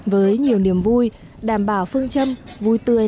với nhiều niềm vui đảm bảo phương châm vui tươi